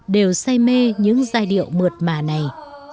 đều say mê những giai điệu mượt mà này